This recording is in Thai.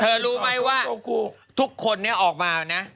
รู้ไหมว่าทุกคนนี้ออกมานะ